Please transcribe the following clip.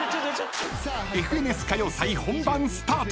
［『ＦＮＳ歌謡祭』本番スタート］